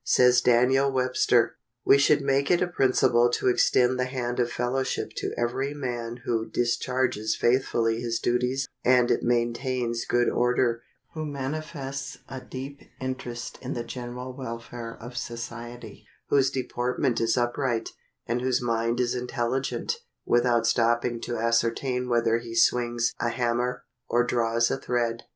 Says Daniel Webster: "We should make it a principle to extend the hand of fellowship to every man who discharges faithfully his duties and maintains good order, who manifests a deep interest in the general welfare of society, whose deportment is upright, and whose mind is intelligent, without stopping to ascertain whether he swings a hammer or draws a thread."